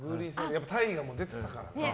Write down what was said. やっぱり大河も出てたからな。